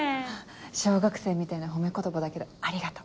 小学生みたいな褒め言葉だけどありがとう。